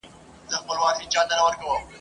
ګیله من له خپل څښتنه له انسان سو ..